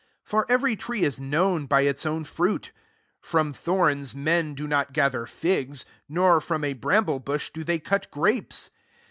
44 For every tree is known by its own fruit : from thorns men do not gather figs, nor from a bram ble bush do they cut grapes.